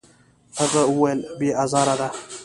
هغه وویل: «بې ازاره ده.»